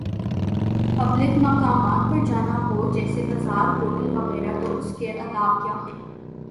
Public مقامات پر جانا ہو، جیسے بازار" ہوٹل وغیرہ تو اس کے آداب کیا ہیں۔